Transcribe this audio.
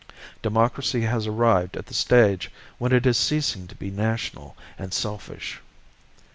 Democracy has arrived at the stage when it is ceasing to be national and selfish.